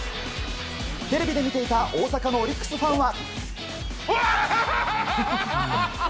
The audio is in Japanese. テレビで見ていた大阪のオリックスファンは。